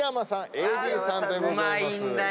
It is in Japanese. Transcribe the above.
ＡＤさんでございます。